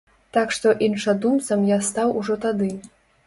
Так што іншадумцам я стаў ужо тады.